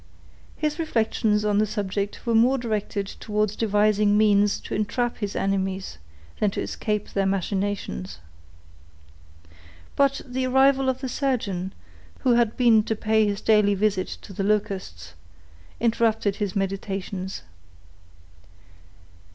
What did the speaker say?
His reflections on the subject were more directed towards devising means to entrap his enemies, than to escape their machinations. But the arrival of the surgeon, who had been to pay his daily visit to the Locusts, interrupted his meditations.